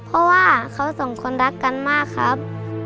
เพราะว่าเขาสองคนรักกันมากครับ